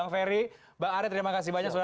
terima kasih banyak